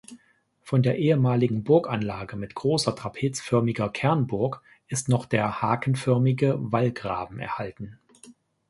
Von der ehemaligen Burganlage mit großer trapezförmiger Kernburg ist noch der hakenförmige Wallgraben erhalten.